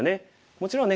もちろんね